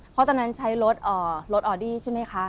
เพราะตอนนั้นใช้รถออดี้ใช่ไหมคะ